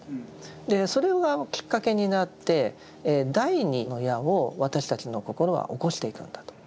それがきっかけになって第二の矢を私たちの心は起こしていくんだと。